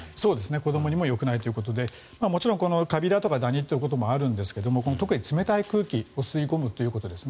子どもにもよくないということでもちろんカビだとかダニということもあるんですが特に冷たい空気を吸い込むことですね。